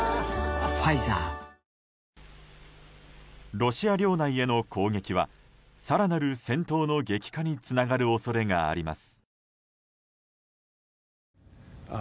ロシア領内への攻撃は更なる戦闘の激化につながる恐れがあります。